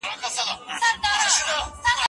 دا کتاب باید په دقت سره وساتل سي.